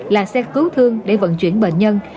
là xe cứu thương để vận chuyển bệnh nhân